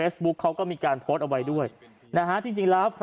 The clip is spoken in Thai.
สมัครกล่าวพออีกครั้ง